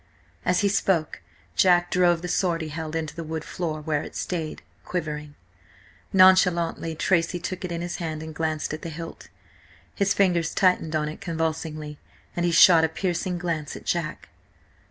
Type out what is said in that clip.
As he spoke Jack drove the sword he held into the wood floor, where it stayed, quivering. Nonchalantly Tracy took it in his hand and glanced at the hilt. His fingers tightened on it convulsively, and he shot a piercing glance at Jack.